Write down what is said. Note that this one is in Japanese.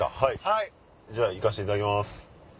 じゃあ行かしていただきます。